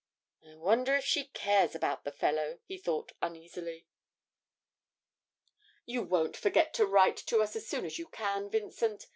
'I wonder if she cares about the fellow!' he thought uneasily. 'You won't forget to write to us as soon as you can, Vincent?'